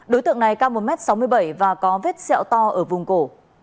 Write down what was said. đối tượng này cao một m sáu mươi bảy và có vết xẹo to ở vùng cổ